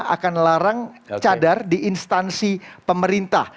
akan larang cadar di instansi pemerintah